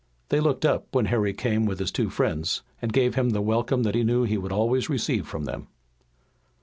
They looked up when Harry came with his two friends, and gave him the welcome that he knew he would always receive from them.